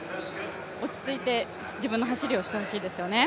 落ち着いて自分の走りをしてほしいですよね。